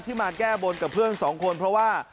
มาแก้บนกับเพื่อนสองคนเพราะว่า